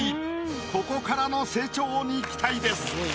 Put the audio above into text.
ここからの成長に期待です。